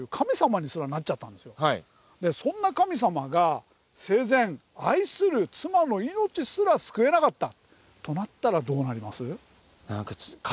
そんな神様が生前愛する妻の命すら救えなかったとなったらどうなります？